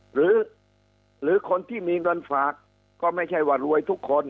หรือคนที่มีเงินฝากก็ไม่ใช่ว่ารวยทุกคน